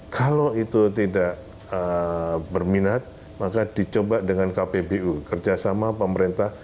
kalau itu tidak berminat maka dicoba dengan kpbu kerjasama pemerintah